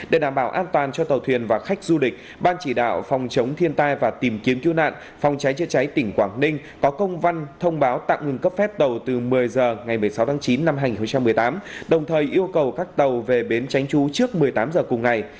để đảm bảo an toàn cho tàu thuyền và khách du lịch ban chỉ đạo phòng chống thiên tai và tìm kiếm cứu nạn phòng cháy chữa cháy tỉnh quảng ninh có công văn thông báo tạm ngừng cấp phép tàu từ một mươi h ngày một mươi sáu tháng chín năm hai nghìn một mươi tám đồng thời yêu cầu các tàu về bến tránh trú trước một mươi tám h cùng ngày